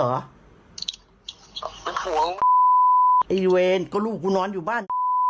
ไอ้เวนก็ลูกกูนอนอยู่บ้าน